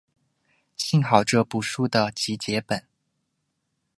幸好这部书的结集本。